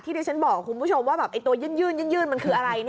ที่ที่ฉันบอกคุณผู้ชมว่าตัวยื่นมันคืออะไร